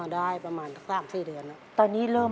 ได้ประมาณ๓๔เดือน